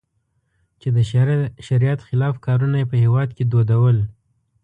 چې د شریعت خلاف کارونه یې په هېواد کې دودول.